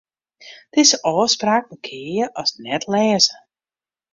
Dizze ôfspraak markearje as net-lêzen.